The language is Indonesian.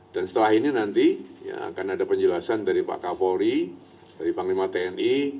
dan setelah ini nanti ya akan ada penjelasan dari pak kapolri dari panglima tni